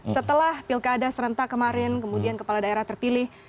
setelah pilkada serentak kemarin kemudian kepala daerah terpilih